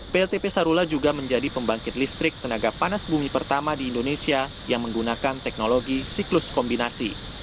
pltp sarula juga menjadi pembangkit listrik tenaga panas bumi pertama di indonesia yang menggunakan teknologi siklus kombinasi